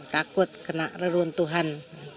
takut kena reruntuhan